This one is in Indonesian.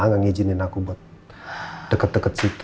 gak ngijinin aku buat deket deket situ